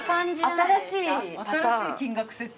新しい金額設定。